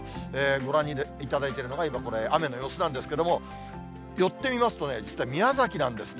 ご覧いただいているのが、今、これ、雨の様子なんですけれども、寄ってみますと、実は宮崎なんですね。